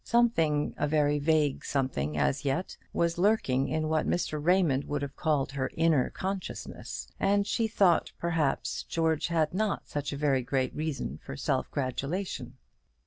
Something, a very vague something as yet, was lurking in what Mr. Raymond would have called her "inner consciousness;" and she thought, perhaps, George had not such very great reason for self gratulation.